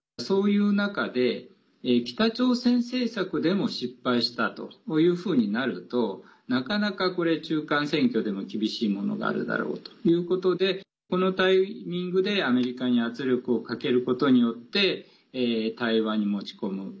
そういう中で北朝鮮政策でも失敗したというふうになるとなかなか、これ、中間選挙でも厳しいものがあるだろうということでこのタイミングでアメリカに圧力をかけることによって対話に持ち込む。